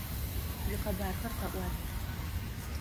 Уикъэбархэ къэӏуат!